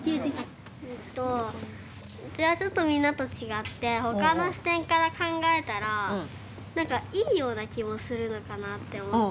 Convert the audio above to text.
えっとうちはちょっとみんなと違って他の視点から考えたら何かいいような気もするのかなって思って。